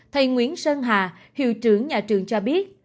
thầy nguyễn sơn hà hiệu trưởng nhà trường cho biết